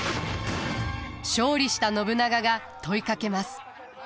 勝利した信長が問いかけます。